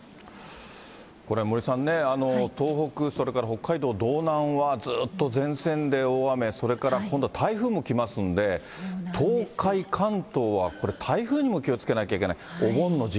森さんね、東北、それから北海道道南は、ずっと前線で大雨、それから今度、台風も来ますんで、東海、関東は台風にも気をつけなきゃいけない。